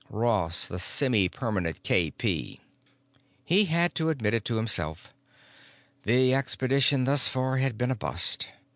Ross, the semipermanent KP. He had to admit it to himself: The expedition thus far had been a bust.